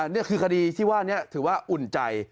นี่คือคดีที่ว่านี้ถือว่าอุ่นใจ